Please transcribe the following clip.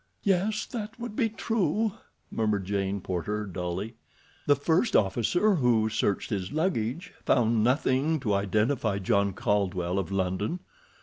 "Yes, that would be true," murmured Jane Porter dully. "The first officer, who searched his luggage, found nothing to identify John Caldwell, of London.